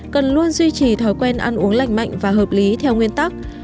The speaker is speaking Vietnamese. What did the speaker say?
cần luôn duy trì thói quen ăn uống lành mạnh và hợp lý theo nguyên tắc